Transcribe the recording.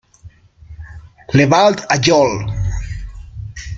Le Val-d'Ajol